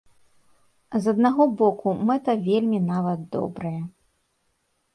З аднаго боку, мэта вельмі нават добрая.